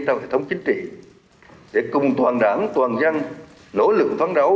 trong hệ thống chính trị để cùng toàn đảng toàn dân nỗ lực phán đấu